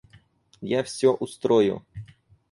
Я всё устрою.